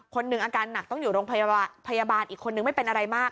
คนหนึ่งอาการหนักต้องอยู่โรงพยาบาลพยาบาลอีกคนนึงไม่เป็นอะไรมาก